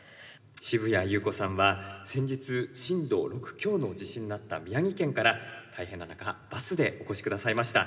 渋谷裕子さんは先日震度６強の地震のあった宮城県から大変な中バスでお越し下さいました。